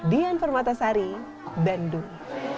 dian fermatasari bandung